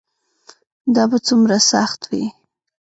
دا به څومره سخت وي.